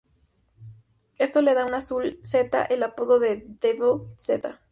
Esto le da al azul Z el apodo de "The Devil Z".